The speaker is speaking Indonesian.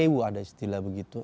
ewu ada istilah begitu